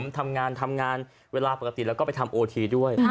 ทำงานทำงานเวลาปกติแล้วก็ไปทำโอทีด้วย